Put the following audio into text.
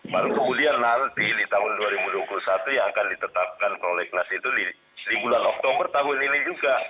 baru kemudian nanti di tahun dua ribu dua puluh satu yang akan ditetapkan prolegnas itu di bulan oktober tahun ini juga